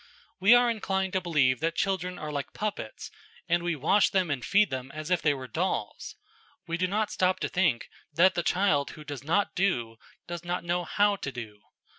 We are inclined to believe that children are like puppets, and we wash them and feed them as if they were dolls. We do not stop to think that the child who does not do, does not know how to do.